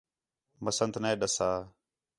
بسنت نَے ݙَسّا